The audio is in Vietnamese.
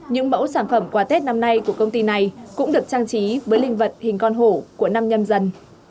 những mẫu sản phẩm quà tết năm nay của công ty này cũng được trang trí với linh vật hình con hổ của năm nhâm dân